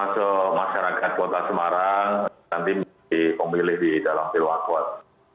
ke masyarakat kota semarang nanti dikomili di dalam perwakuan